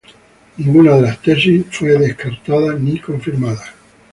Ninguna de las tesis fue descartada ni confirmada.